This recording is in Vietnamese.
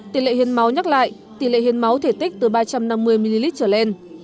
tỷ lệ hiên máu nhắc lại tỷ lệ hiên máu thể tích từ ba trăm năm mươi ml trở lên